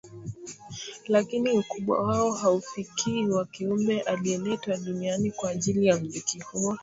Lakini ukubwa wao hauufikii wa kiumbe alieletwa duniani kwa ajili ya mziki huo